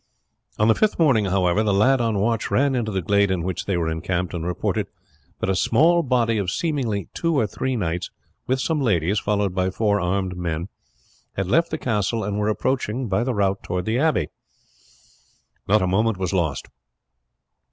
On the fifth morning, however, the lad on watch ran into the glade in which they were encamped and reported that a small body of seemingly two or three knights, with some ladies, followed by four mounted men, had left the castle and were approaching by the route towards the abbey. Not a moment was lost.